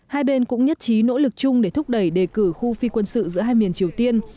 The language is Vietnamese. hai bên cũng nhất trí nỗ lực chung để thúc đẩy đề cử khu phi quân sự giữa hai miền triều tiên